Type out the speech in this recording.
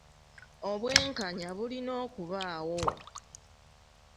Obwenkanya bulina okubaawo.